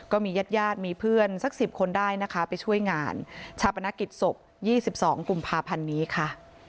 ก็มีญาติญาติมีเพื่อนสัก๑๐คนได้นะคะไปช่วยงานชาปนกิจศพ๒๒กุมภาพันธ์นี้ค่ะ